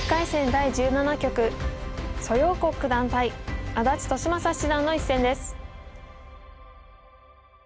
第１７局蘇耀国九段対安達利昌七段の一戦です。